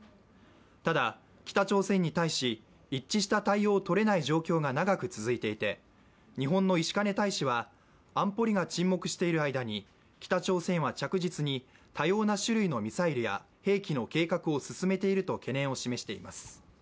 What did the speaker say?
ただ、北朝鮮に対し、一致した対応をとれない状況が長く続いていて日本の石兼大使は安保理が沈黙している間に北朝鮮は着実に多様な種類のミサイルや兵器の計画を進めていると懸念を示しています。